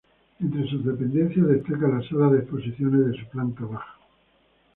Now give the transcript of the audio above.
Entre sus dependencias destaca la sala de exposiciones de su planta baja.